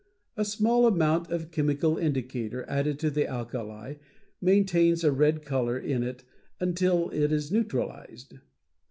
A small amount of chemical indicator added to the alkali maintains a red color in it until it is neutralized.